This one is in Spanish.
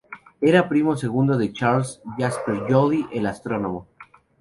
Era primo segundo de Charles Jasper Joly, el astrónomo.